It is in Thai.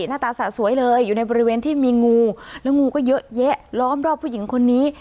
หน้าตาสะสวยเลยอยู่ในบริเวณที่มีงูแล้วงูก็เยอะแยะล้อมรอบผู้หญิงคนนี้